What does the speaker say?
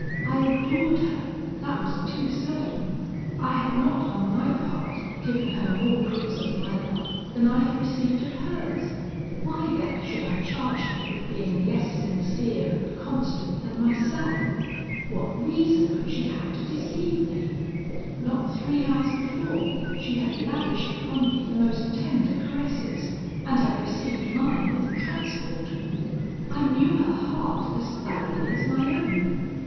I adored her that was too certain; I had not on my part given her more proofs of my love than I had received of hers; why then should I charge her with being less sincere and constant than myself? What reason could she have to deceive me? Not three hours before, she had lavished upon me the most tender caresses, and had received mine with transport: I knew her heart as thoroughly as my own.